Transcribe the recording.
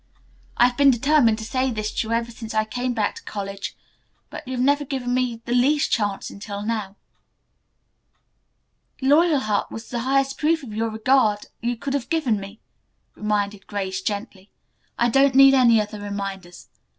I've been determined to say this to you ever since I came back to college, but you have never given me the least chance until now." "'Loyalheart' was the highest proof of your regard you could have given me," reminded Grace gently. "I don't need any other reminders.